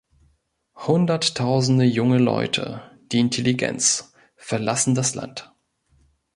Hunderttausende junge Leute die Intelligenz verlassen das Land.